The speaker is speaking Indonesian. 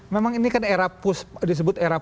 memang ini kan era push disebut era